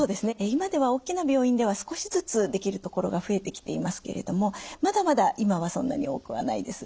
今では大きな病院では少しずつできる所が増えてきていますけれどもまだまだ今はそんなに多くはないです。